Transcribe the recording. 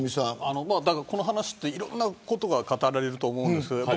この話っていろんなことが語られると思うんです。